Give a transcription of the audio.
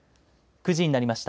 ９時になりました。